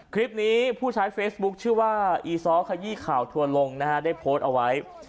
ผู้ใช้เฟซบุ๊คชื่อว่าอีซ้อขยี้ข่าวทัวร์ลงนะฮะได้โพสต์เอาไว้